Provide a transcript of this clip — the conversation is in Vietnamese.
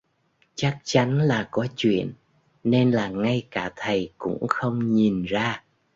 Chắc chắn là có chuyện nên là ngay cả thầy cũng không nhìn ra